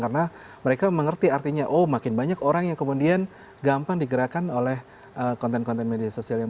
karena mereka mengerti artinya oh makin banyak orang yang kemudian gampang digerakkan oleh konten konten media sosial